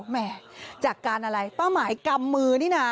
แม่จากการอะไรเป้าหมายกำมือนี่นะ